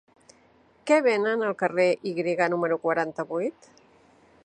Què venen al carrer Y número quaranta-vuit?